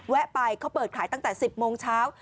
ไปเขาเปิดขายตั้งแต่๑๐โมงเช้า